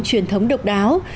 truyền thống độc đáo